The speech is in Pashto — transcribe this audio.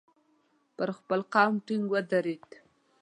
پر خپل قول ټینګ ودرېد.